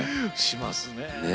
しますね。